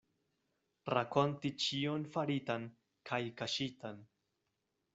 Rakonti ĉion faritan kaj kaŝitan.